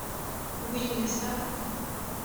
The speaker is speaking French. Oui, n'est-ce pas?